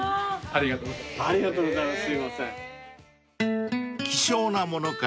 ありがとうございます。